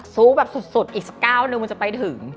สู้แบบสุดอีกสักก้าวนึงมันจะไปถึง